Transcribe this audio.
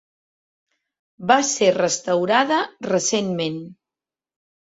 Va ser restaurada recentment.